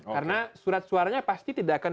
karena surat suaranya pasti tidak akan